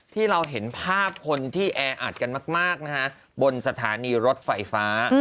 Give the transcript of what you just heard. ที่เราเห็นภาพคนที่แออัดกันมากนะฮะบนสถานีรถไฟฟ้า